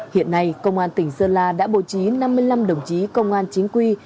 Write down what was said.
hiện nay công an tỉnh sơn la đã bổ trí năm mươi năm đồng chí công an chính quy